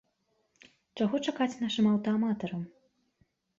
Чаго чакаць нашым аўтааматарам?